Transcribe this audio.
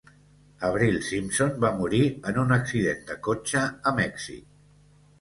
Avril Simpson va morir en un accident de cotxe a Mèxic.